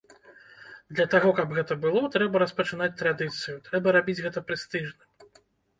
Для таго, каб гэта было, трэба распачынаць традыцыю, трэба рабіць гэта прэстыжным.